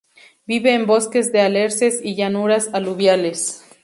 Vive en bosques de alerces y llanuras aluviales.